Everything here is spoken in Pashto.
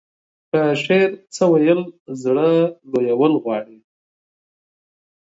په شعر څه ويل زړه لويول غواړي.